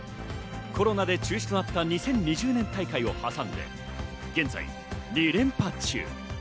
コロナで中止となった２０２０年大会を挟んで現在、２連覇中。